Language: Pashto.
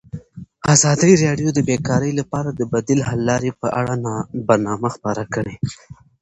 ازادي راډیو د بیکاري لپاره د بدیل حل لارې په اړه برنامه خپاره کړې.